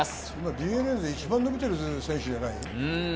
ＤｅＮＡで一番伸びてる選手じゃない？